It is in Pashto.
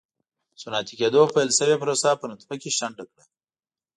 صنعتي کېدو پیل شوې پروسه په نطفه کې شنډه کړه.